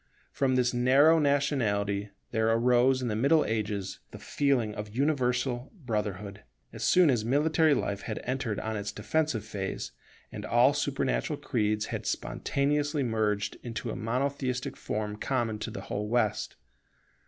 From this narrow nationality there arose in the Middle Ages the feeling of universal brotherhood, as soon as military life had entered on its defensive phase, and all supernatural creeds had spontaneously merged into a monotheistic form common to the whole West.